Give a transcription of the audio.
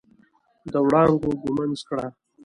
د وړانګو ږمنځ کړه